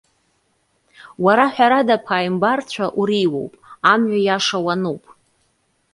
Уара ҳәарада аԥааимбарцәа уреиуоуп. Амҩа иаша уануп.